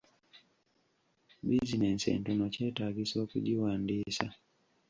Bizinensi entono kyetaagisa okugiwandiisa?